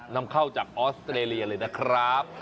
นำเข้าจากออสเตรเลียเลยนะครับ